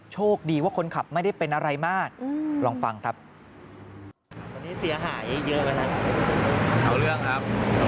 โชคดีว่าคนขับไม่ได้เป็นอะไรมากลองฟังครับ